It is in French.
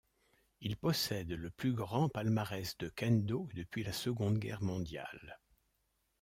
Il possède le plus grand palmarès de kendo depuis la Seconde Guerre mondiale.